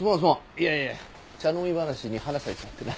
いやいや茶飲み話に花咲いちまってな。